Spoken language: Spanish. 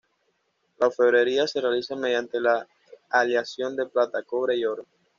La orfebrería se realiza mediante la aleación de plata, cobre y oro.